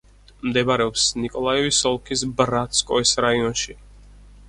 მდებარეობს ნიკოლაევის ოლქის ბრატსკოეს რაიონში.